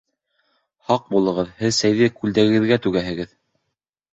Һаҡ булығыҙ, һеҙ сәйҙе күлдәгегеҙгә түгәһегеҙ